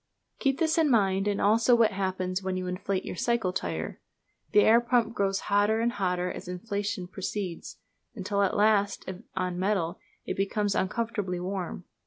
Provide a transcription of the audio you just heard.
Keep this in mind, and also what happens when you inflate your cycle tyre. The air pump grows hotter and hotter as inflation proceeds: until at last, if of metal, it becomes uncomfortably warm.